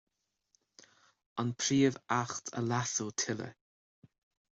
An Príomh-Acht a leasú tuilleadh.